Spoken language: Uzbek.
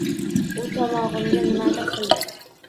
U tomog‘imga nimadir qildi.